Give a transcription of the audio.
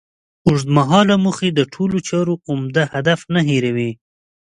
اوږد مهاله موخې د ټولو چارو عمده هدف نه هېروي.